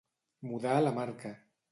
Mudar la marca.